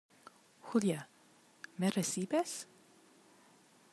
Julia, ¿ me recibes?